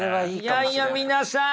いやいや皆さん